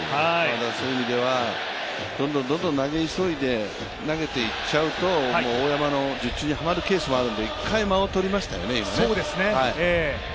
そういう意味では、どんどん投げ急いで、投げていっちゃうと大山の術中にはまっちゃうケースもあるので１回、間を取りましたよね。